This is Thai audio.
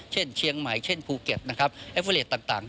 เช่นเชียงใหม่เช่นภูเก็ตนะครับเอฟเวอเลสต่าง